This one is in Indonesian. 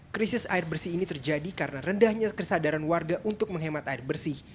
krisis air bersih ini terjadi karena rendahnya kesadaran warga untuk menghemat air bersih